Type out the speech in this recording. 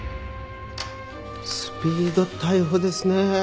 スピード逮捕ですねえ。